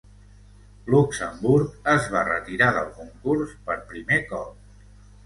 Luxemburg es va retirar del concurs per primer cop.